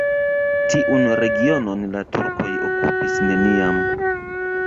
Tiun regionon la turkoj okupis neniam.